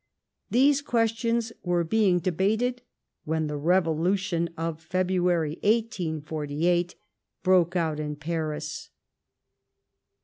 These questions were being debated when the revolution of February, 1848, broke out in Paris.